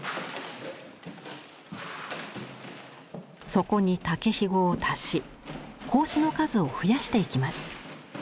そこに竹ひごを足し格子の数を増やしていきます。